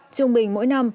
trung bình mỗi năm